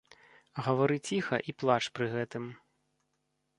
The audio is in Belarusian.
Гавары ціха і плач пры гэтым.